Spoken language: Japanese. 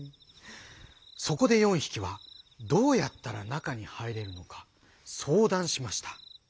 そこで４ひきはどうやったらなかにはいれるのかそうだんしました。